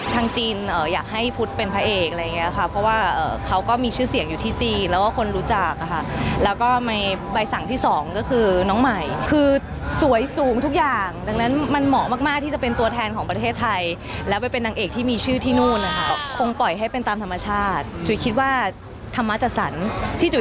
จีนอยากให้พุทธเป็นพระเอกอะไรอย่างเงี้ยค่ะเพราะว่าเขาก็มีชื่อเสียงอยู่ที่จีนแล้วก็คนรู้จักอะค่ะแล้วก็ในใบสั่งที่สองก็คือน้องใหม่คือสวยสูงทุกอย่างดังนั้นมันเหมาะมากที่จะเป็นตัวแทนของประเทศไทยแล้วไปเป็นนางเอกที่มีชื่อที่นู่นนะคะคงปล่อยให้เป็นตามธรรมชาติจุ๋ยคิดว่าธรรมจัดสรรที่จุ